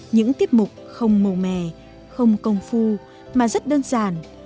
những tiết mục không màu mè không công phu mà rất đơn giản